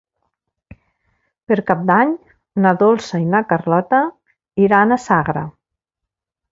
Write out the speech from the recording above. Per Cap d'Any na Dolça i na Carlota iran a Sagra.